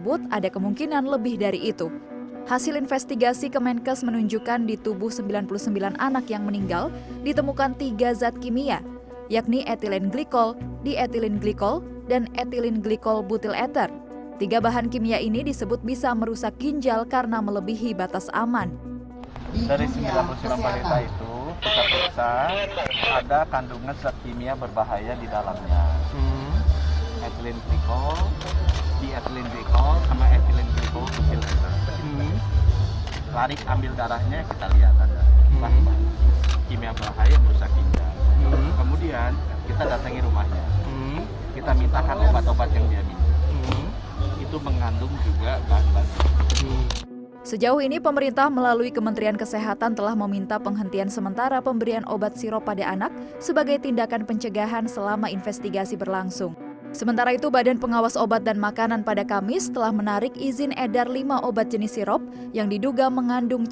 bukan hanya orang tua sejumlah dokter anak menyebut bingung